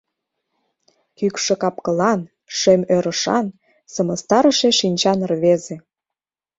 Кӱкшӧ капкылан, шем ӧрышан, сымыстарыше шинчан рвезе.